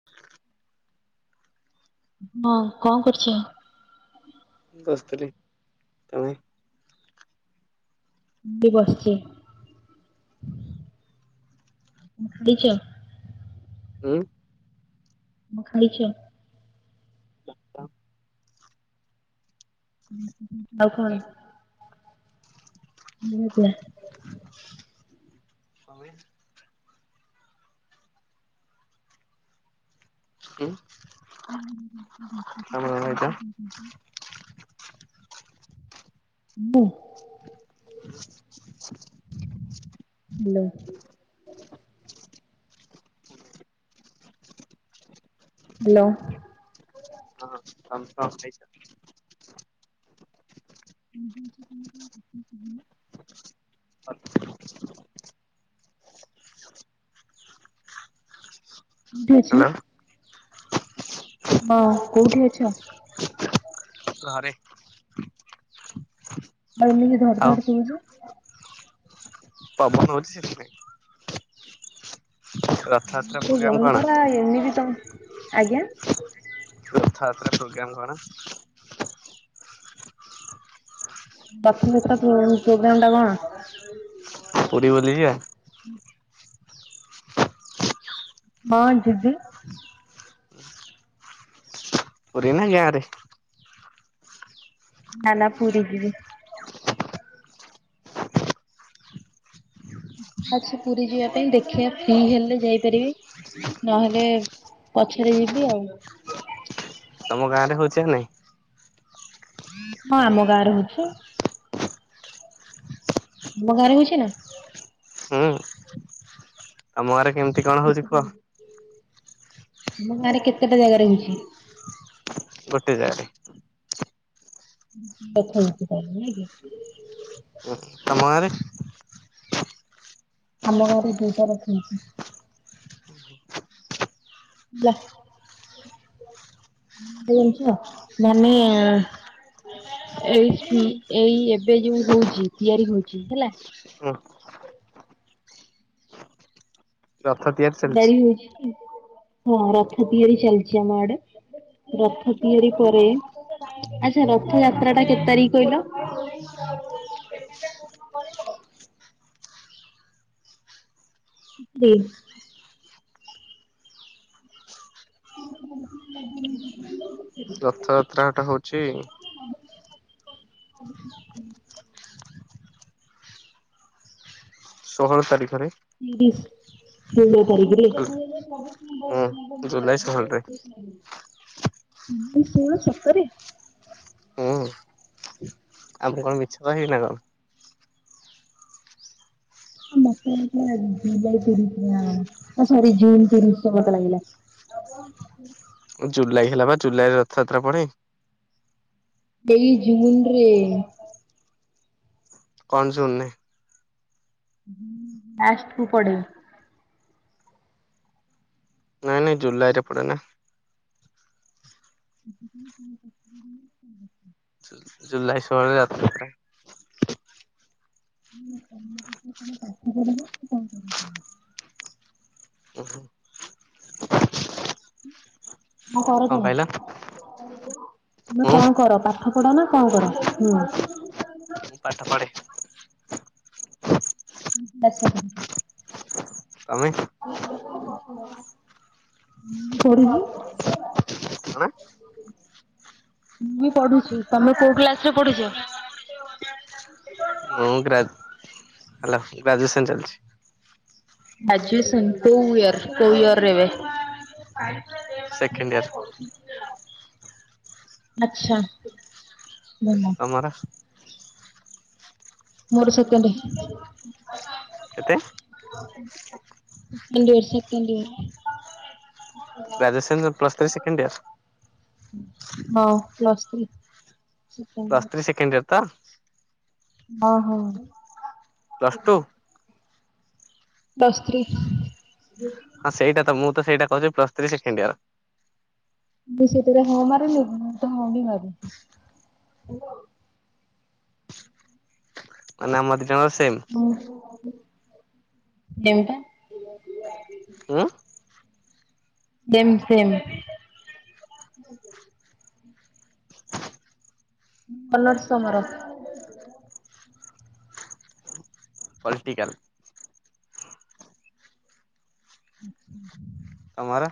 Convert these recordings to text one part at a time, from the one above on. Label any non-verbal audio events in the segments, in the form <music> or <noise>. <inaudible> ହଁ କଣ କରୁଚ? ବସିଥିଲି ତମେ? ମୁବି ବସିଚି କଁ ଖାଇଚ? ଉଁ? କଣ ଖାଇଚ? <unintelligible> ଉ ହୁଁ ଆଉ କଣ? ତମେ ମୋ ଯା। କଣ କହିଲେ? ହୁଁ? କଣ <unintelligible> ମୁଁ ହାଲୋ। ହାଲୋ। ହଁ ତମେ କଣ ଖାଇଚ? <inaudible> ଆଚ୍ଛ କୋଉଠି ଅଛ? ହାଲୋ ହଁ କୋଉଠି ଅଛ? ଘରେ। ଆଉ ଏମିତି ଧଡ ଆଉ ଧାଡ ଶୁଭୁଚି? ପବନ ହଉଚି ସେଥିପାଇଁ। ରଥଯାତ୍ରା ଦେହ ପ୍ରୋଗ୍ରାମ ବନ୍ଦ କଣ କରା ଏମତି ତମ ଆଜ୍ଞା ରଥଯାତ୍ରା ପ୍ରୋଗ୍ରାମ କଣ? ରଥଯାତ୍ରା କୁ ପ୍ରୋଗ୍ରାମ ଟା କଣ? ପୁରୀ ବୁଲି ଯିବା? ହଁ ଯିବି। ପୁରୀ ନା ଗାଁ ରେ? ନା ନା ପୁରି ଯିବି। ଛା ଅଛି ପୁରୀ ଯିବା ପାଇଁ ଦେଖିବା ଫ୍ରି ହେଲେ ଯାଇପାରିବି। ନହେଲେ ପଛରେ ଯିବି ଆଉ। ତମ ଗାଁରେ ହଉଚି ନା ନାଇଁ? ହଁ ଆମ ଗାଁରେ ହଉଚି। ତମ ଗାଁ ରେ ହଉଚି ନା? ହୁଁ ତମ ଗାଁ ରେ କେମିତି କଣ ହଉଚି କେତେଟା କୁହ? ଆମ ଗାଁରେ କେତେଟା ଜାଗାରେ ହଉଚି। ଗୋଟେ ଜାଗାରେ। ରଖା ରଖି କରେ ନାଇକି? ଉଁ ତମ ଗାଁ ରେ? ଆମ ଗାଁ ରେ ଦିଇଟା ରଖଚନ୍ତି। ଲା ହଉଚି ମାନି ଏଇ ଏଇ ଏବେ ଯୋଉ ହଉଚି ତିଆରି ହଉଚି ହେଲା। ହୁଁ। ରଥ ତିଆରି ଚାଲିଛି ଆରି ହଉଚି ହଁ ରଥ ତିଆରି ଚାଲିଚି ଆମ ଆଡେ। ରଥ ତିଆରି ପରେ ଆଚ୍ଛା ରଥ ଯାତ୍ରା ଟା କେତେ ତାରିଖ କହିଲ? ଗ୍ରୀନ ରଥ ଯାତ୍ରାଟା ହଉଚି ଷୋହଳ ତାରିଖରେ। ବିଶ୍ ଷୋହଳ ତାରିଖ ରେ? ବି ହେଲା ହୁଁ ଜୁଲାଇ ଷୋହଳରେ ଷୋହଳ ସତରେ? ହ ଆମକୁ କଣ ମିଛ କହିବି ନା କଣ ଆ ମତଏମିତିଆ ଜୁଲାଇ ତିରିଶ୍ ନା କଣ ତ ସରି ଜୁନ୍ ତିରିସି ଶ ତ ଲାଗିଲା ହ <unintelligible> ଜୁଲାଇ ହେଲା ବା ଜୁଲାଇ ରେ ରଥଯାତ୍ରା ପଢେଇ ଏଇ ଜୁନ ରେ କଣ ଜୁନ ନେ ଆସୁ ପଡେ ନାଇଁ ନାଇଁ ଜୁଲାଇ ରେ ପଡେ ନା <inaudible> ଜୁଲାଇ ଷୋହଳ ରେ ରଥ ଯାତ୍ରା ତମ ତମେ ପାଠ ପଢିବ କଣ କର ଓହୋ କଁ କରାଇ କଣ କହିଲ ତମେ ମୁଁ କଣ କର ପାଠ ପଢ ନା କଣ କର ହୁଁ ମୁଁ ପାଠ ପଢ଼େ ଆଛା ଆଉ ତମେ କଣ ମୁଁ ପଢୁଛି ତମେ କୋଉ କ୍ଲାସରେ ପଢୁଛ ମୁଁ ଗ୍ରାଜ ହେଲ ଗ୍ରାଜୁଏସନ୍ ଚାଲିଛି ଆଜିୁ ସନ କୋୟର କୋୟର ଏରେବେ <inaudible> ସେକେଣ୍ଡ ଇୟର ଆଛା ଭ ତମର ମୋର ସେକେଣ୍ଡେ। କେତେ? <unintelligible> Second. Graduation plus three second year. ହଁ plus three! Second plus year. Three second year ତ। ହଁ ହଁ ପ୍ଲସ ଟୁ ପ୍ଲସ ଥ୍ରୀ। ହଁ ସେଇଟାତ, ମୁଁ ତ ସେଇଟା କହୁଛି ପ୍ଲସ୍ ଥ୍ରୀ ସେକେଣ୍ଡେ ଇୟର। ମୁଁତ ସେତେବେଳେ ହଁ ମାରିଲି, ମୁଁ ତ ହଉ ମାରିଲି ମାନେ ଆମ ଦିଇଜଣଙ୍କର ସେମ୍ ହଉ ଦେବା ହଁ ସେମ୍ ସେମ୍। ପନୋର ସମର। ପଲିଟିକାଲ <inaudible> ତମର।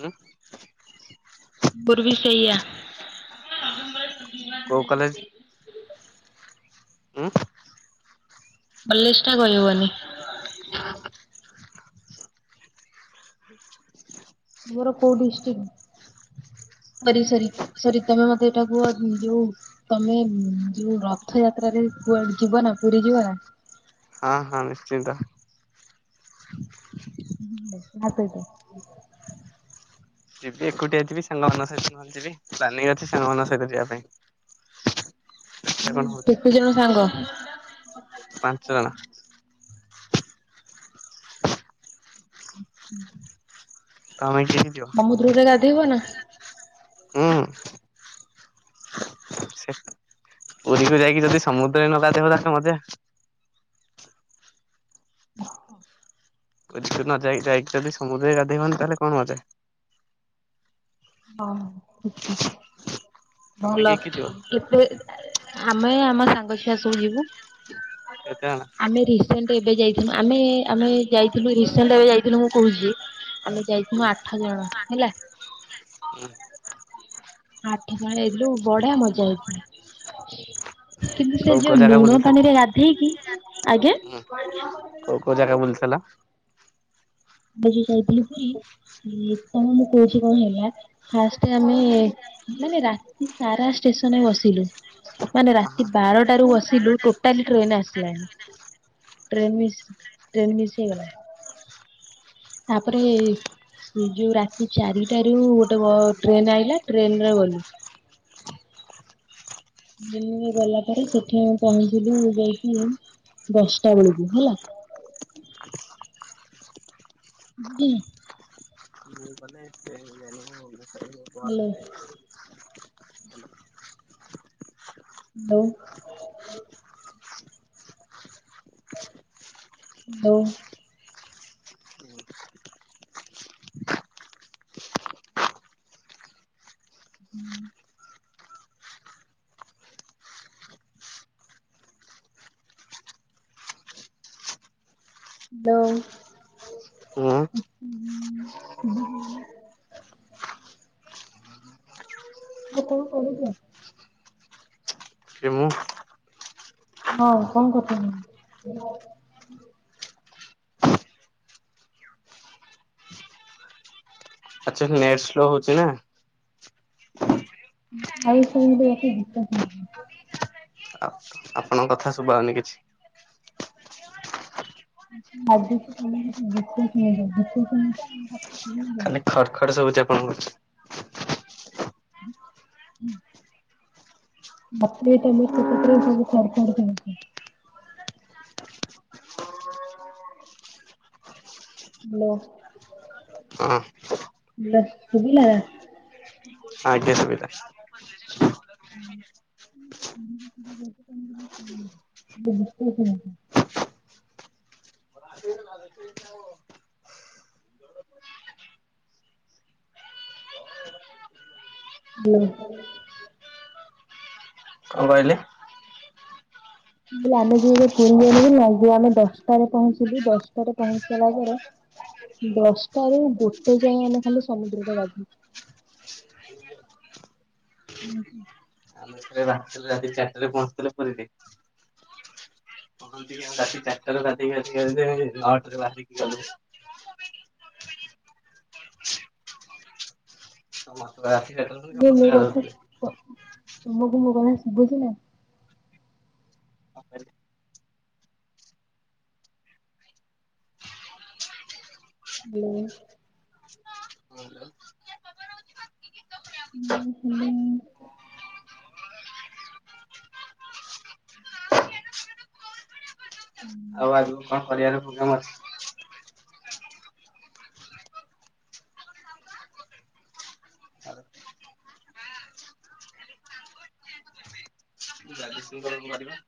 ଉଁ ମୋର ବି ସେଇଆ। କୋଉ ହୁଁ। <unintelligible> କହିବନି। ମୋର କଉ ଡିସଟିକ। ସରି ସରି ସରି, ତମେ ମତେ ଏଇଟା କୁୁହ ଯୋଉ ତମେ ଯୋଉ ରଥଯାତ୍ରାରେ କୁଆଡେ ଯିବ ନା, ପୁରୀ ଯିବ ନା? ହଁ ହଁ ନିଶ୍ଚିନ୍ତ। କାହା ସହିତ। ଯିବି ଏକୁଟିଆ ଯିବି ସାଙ୍ଗମାନ ସହିତ ଯିବି ପ୍ଲାନିଙ୍ଗ ଅଛି ସାଙ୍ଗମାନଙ୍କ ସହିତ ଯିବା ପାଇଁ। ଦେଖିଆ ହୁଁ, କଣ ହଉଛି। କେତେ ଜଣ ସାଙ୍ଗ? ପାଞ୍ଚ ଜଣ। ହୁଁ। ତମେ କିଏ କିଏ। ଯିବ? ସମୁଦ୍ରୁରେ ଗାଧୋଇବ ନା? ହୁଁ। ସେ ପୁରୀକୁ ଯାଇକି ଯଦି ସମୁଦ୍ରରେ ନ ଗାଧେଇବ, ତାହେଲେ ମଜା। ଓହ। <unintelligible> ନ ଯାଇ, ଯାଇକି ଯଦି ସମଦ୍ରରେ ନ ଗାଧେଇବନି ତାହେଲେ କଣ ମଜା। ହଁ ଠିକ ଠିକ। ତମେ ଭଲ କିଏ କିଏ ଯିବ? କେତେ ଆମେ ଆମ ସାଙ୍ଗ ଛୁଆ ସବୁ ଯିବୁ। କେତେ ଜଣ ଆମେ ରି ସେଣ୍ଡେ ଏବେ ଯାଇଥିଲୁ ଆମେ ଆମେ ଯାଇଥିଲୁ ରିସେଣ୍ଟ ଏବେ ଯାଇଥିଲୁ ମୁଁ କହୁଛି ଆ ଯାଇଥିମୁ ଆଠ ଜଣ ହେଲା। ହୁଁ। ଆଠ ଜଣ ହେଲୁ, ବଢିଆ ମଜା ହେଇ କିନ୍ତୁ ସେ କୋଉ କୋଉ ଯୋଉ ଜାଗା ଲୁଣ ବୁଲିଥିଲ? ପାଣି ରେ ଗାଧେଇକି, ଆଜ୍ଞା ହୁଁ କୋଉ, କୋଉ ଜାଗା ବୁଲଥିଲ? <unintelligible> ଯାଇଥିଲୁ ପୁରି, ତମକୁ ମୁଁ କହୁଛି କଣ ହେଲା? ଫାଷ୍ଟେ ଆମେ, ମାନେ ରାତି ସାରା ଷ୍ଟେସନରେ ବସିଲୁ। ମାନେ ରାତି ଆହା ବାରଟାରୁ ବସିଲୁ ଟୋଟାଲି ଟ୍ରେନ ଆସିଲାନି। ଟ୍ରେନ୍ ମିସ୍ ଟ୍ରେନ୍ ମିସ୍ ହେଇଗଲା। ତାପରେ। ହୁଁ ଯୋଉ ରାତି ଚାରିଟାରୁ ଗୋଟେ ବ ଟ୍ରେନ ଆଇଲା ଟ୍ରେନ ରେ ଗଲୁ। ଦିନିରୁ ଗଲା ପରେ ସେଠି ପହଞ୍ଚିଲୁ ଯାଇକି ଦଶଟା ବୁଳୁକୁ ହେଲା। <inaudible> <unintelligible> ହାଲୋ। <inaudible> ହାଲୋ। ହାଲୋ। <inaudible> ହୁଁ। ହାଲୋ। ହୁଁ। <inaudible> ମୁଁ କଁ କହୁଚ? କିଏ ମୁଁ। ହଁ, କଣ କରୁଚନି? ଅଚୁଆଲି ନେଟ୍ ସ୍ଲୋ ହଉଛି ନା। ଆଉ ଶୋଇଲେ ଏତେ ବିଶ୍ୱାସ ନାହିଁ। ଆପଣଙ୍କ କଥା ଶୁଭା ଆଉନି କିଛି? <unintelligible> ଖାଲି ଖଡ୍ ଖଡ୍ ଶୁବୁଚି ଆପଣଙ୍କ କଛ୍। ଉଁ ହୁଁ। ମତେ ବି ତମ ସେପଟରେ ସବୁ ଖଡ୍ ଖଡ୍ ଶୁବୁଚି। ହ୍ୟାଲୋ, ହଁ। ହେଲା ସୁବିଲା। ଆଜ୍ଞା, ଶୁବିଲା। <inaudible> <inaudible> <inaudible> ହ୍ୟାଲୋ। କଣ କହିଲେ? ଆମେ ଯବେ ପୁରୀ ଯାଇନଥିଲୁ ନା, ଯଉ ଆମେ ଦଶଟାରେ ପହଞ୍ଚିଲୁ, ଦଶଟାରେ ପହଞ୍ଚିି ସାଇଲା ପରେ ଦଶଟା ରୁ ଗୋଟେ ଯାଏ, ଆମେ ଖାଲି ସମୁଦ୍ର ରେ ଗାଧେଇଚୁ। ଉହୁଁ। ଆମେ ରାତିରେ ରାତି ଚାରିଟାରେ ପହଞ୍ଚଥିଲେ ପୁରୀରେ। ପହଞ୍ଚିକି, ଆଉ ରାତି ଚାରିଟାରୁ ଗାଧେଇକି ଆସିକି ଆଇଲେ, ନଅଟାରୁ ବାହାରିକି ଗଲୁ। <unintelligible> ମୁଁ, ମୁଁ କଥା, ଗାଧଉଥିଲେ। କ ତୁମକୁ ମୋ କଥା ଶୁଭୁଚି ନା? କଁ କହିଲେ? ହାଲୋ। ହଁ ଲୋ। ଉଁ ହାଲୋ। ଆଉ ଆଗକୁ କଣ କରିଆର ପୋଗ୍ରାମ୍ ଅଛି। ଗାଜୁଏସନ୍ ପରେ କଁ କରିବା?